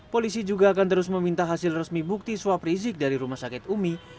polisi juga akan terus meminta hasil resmi bukti swab rizik dari rumah sakit umi